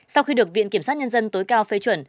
sau khi được viện kiểm sát nhân dân tối cao phê chuẩn